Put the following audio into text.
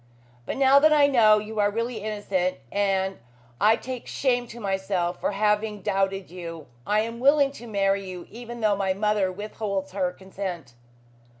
"But now that I know you are really innocent, and I take shame to myself for having doubted you, I am willing to marry you, even though my mother withholds her consent."